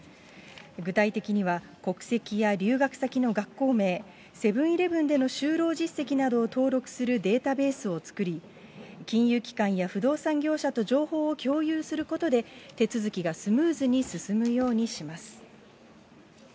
具体的には、国籍や留学先の学校名、セブンーイレブンでの就労実績などを登録するデータベースを作り、金融機関や不動産業者と情報を共有することで、手続きがスムーズに進むようにします。